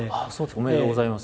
おめでとうございます。